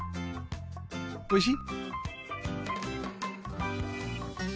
おいしい？